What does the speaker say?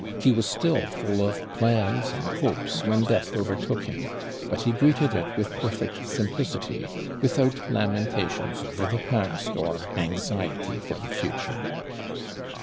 He was still full of plans and hopes when death overtook him, but he greeted it with perfect simplicity, without lamentations over the past or anxiety for the future.